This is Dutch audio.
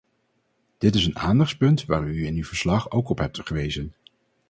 Dit is een aandachtspunt waar u in uw verslag ook op hebt gewezen.